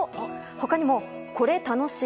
他にも、これ楽しい！